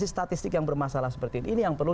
statistik yang bermasalah seperti ini ini yang perlu